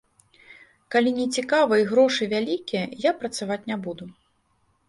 Калі нецікава і грошы вялікія, я працаваць не буду.